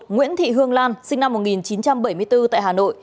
nguyễn thị hương lan sinh năm một nghìn chín trăm bảy mươi bốn tại hà nội